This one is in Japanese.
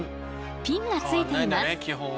ピンがついています。